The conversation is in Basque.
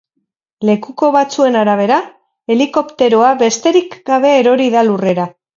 Lekuko batzuen arabera, helikopteroa besterik gabe erori da lurrera.